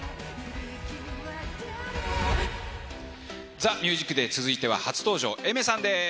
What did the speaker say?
ＴＨＥＭＵＳＩＣＤＡＹ、続いては初登場、Ａｉｍｅｒさんです。